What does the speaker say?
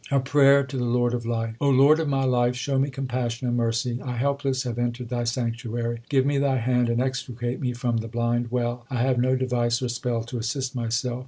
A prayer to the Lord of life : Lord of my life, show me compassion and mercy ; I helpless have entered Thy sanctuary. Give me Thy hand, and extricate me from the blind well ; 2 I have no device or spell to assist myself.